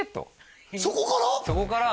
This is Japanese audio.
そこから？